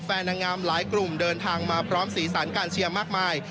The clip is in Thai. นางงามหลายกลุ่มเดินทางมาพร้อมสีสันการเชียร์มากมาย